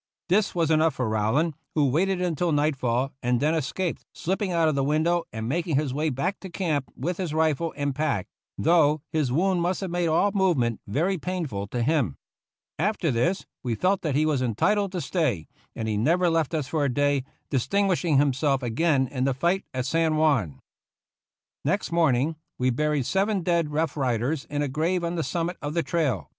This was enough for Rowland, who waited until nightfall and then escaped, slipping out of the window and making his way back to camp with his rifle and pack, though his wound must have made all movement very painful to him. After this, we felt that he was entitled to stay, and he never left us for a day, distinguishing himself again in the fight at San Juan. Next morning we buried seven dead Rough Riders in a grave on the summit of the trail.